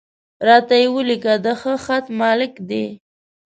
را ته یې ولیکه، د ښه خط مالک دی.